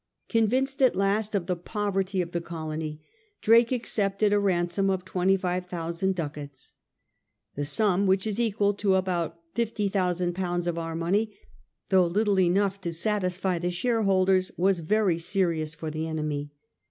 Convinced at last of the poverty of the colony, Drake accepted a ransom of twenty five thousand ducats. The sum, which is equal to about fifty thousand poimds of our money, though little enough to satisfy the shareholders, was very serious for the enemy.